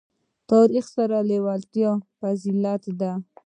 تاریخ سره لېوالتیا فضیلت ده.